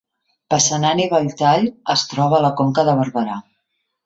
Passanant i Belltall es troba a la Conca de Barberà